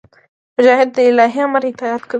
مجاهد د الهي امر اطاعت کوي.